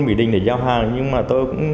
mỹ đình để giao hàng nhưng mà tôi cũng